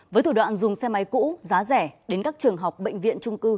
với thủ đoạn dùng xe máy cũ giá rẻ đến các trường học bệnh viện trung cư